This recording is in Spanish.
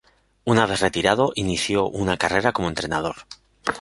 Una vez retirado inició una carrera como entrenador.